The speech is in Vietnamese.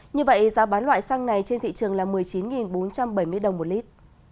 như vậy giá bán loại xăng này trên thị trường là một mươi chín bốn trăm bảy mươi đồng một lít